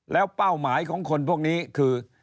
แล้วเป้าหมายของคนพวกนี้คือ